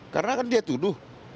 karena kan dia tuduh